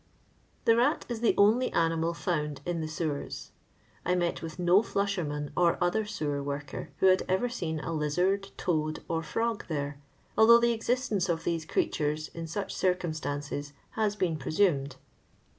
The rat is the only animal (bund in the sewers. I met with no flusherman or other sewer worker who had ever seen a lixard, toad, or frog there, although the existence of these creatures, in such circumstances, has been presumed.